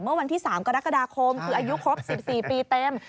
เมื่อวันที่๓กรกฎาคมคืออายุครบ๑๔ปีเต็ม